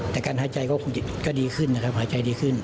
แต่การหายใจก็ดีขึ้นนะครับหายใจดีขึ้น